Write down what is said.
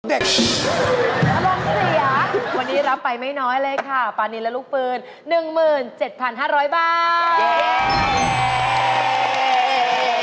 ลงเสียวันนี้รับไปไม่น้อยเลยค่ะปราณีละลูกฟืน๑๗๕๐๐บาท